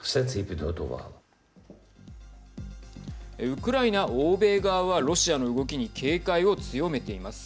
ウクライナ・欧米側はロシアの動きに警戒を強めています。